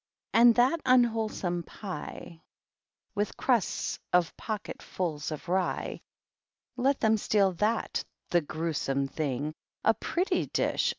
And that unwholesome pie, With crusts of pocketfuls of rye, —• Let them steal that, the grewsome thing I A pretty dish